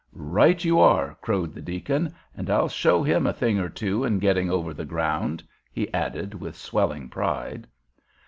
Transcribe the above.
"Right you are," crowed the deacon, "and I'll show him a thing or two in getting over the ground," he added with swelling pride.